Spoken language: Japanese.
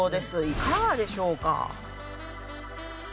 いかがでしょうか？